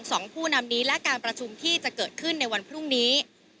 สองผู้นำนี้และการประชุมที่จะเกิดขึ้นในวันพรุ่งนี้